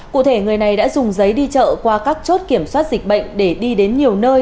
cụ thể người này đã dùng giấy đi chợ qua các chốt kiểm soát dịch bệnh để đi đến nhiều nơi